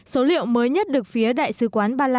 số liệu mới nhất được phía đại sứ quán ba lan